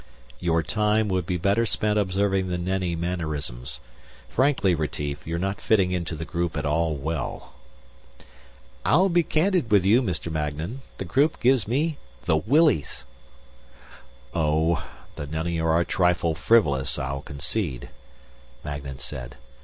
"Your time would be better spent observing the Nenni mannerisms. Frankly, Retief, you're not fitting into the group at all well." "I'll be candid with you, Mr. Magnan. The group gives me the willies." "Oh, the Nenni are a trifle frivolous, I'll concede," Magnan said.